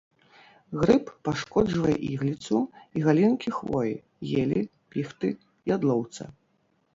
Грыб пашкоджвае ігліцу і галінкі хвоі, елі, піхты, ядлоўца.